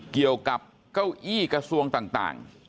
เกี่ยวกับเก้าอี้กระทรวงต่าง